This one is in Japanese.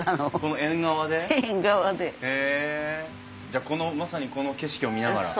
じゃあこのまさにこの景色を見ながら。